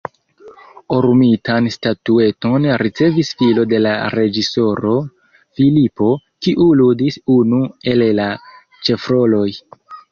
Orumitan statueton ricevis filo de la reĝisoro, Filipo, kiu ludis unu el la ĉefroloj.